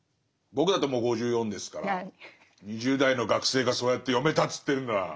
僕だってもう５４ですから２０代の学生がそうやって読めたっつってるんなら。